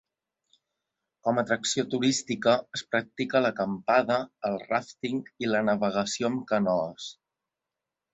Com atracció turística es practica l’acampada, el ràfting i la navegació amb canoes.